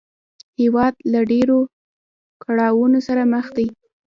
هېواد له ډېرو کړاوونو سره مخ دی